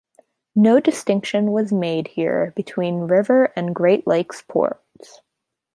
No distinction is made here between river and Great Lakes ports.